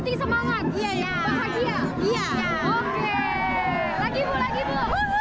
lagi bu lagi bu